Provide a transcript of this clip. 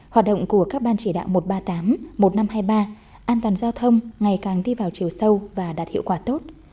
hoạt động của các ban chỉ đạo một trăm ba mươi tám một nghìn năm trăm hai mươi ba an toàn giao thông ngày càng đi vào chiều sâu và đạt hiệu quả tốt